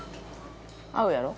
合うやろ？